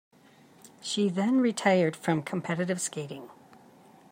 She then retired from competitive skating.